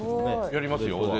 やりますよ。